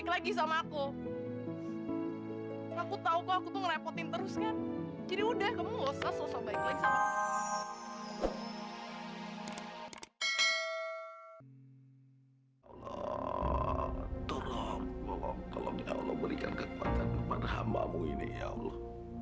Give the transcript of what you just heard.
hai allah tolong tolong ya allah berikan kekuatan kepada hambamu ini ya allah